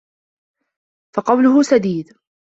فَقَوْلُهُ سَدِيدٌ